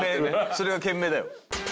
それが賢明だよ。